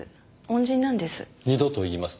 恩人なんです。